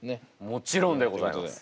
もちろんでございます。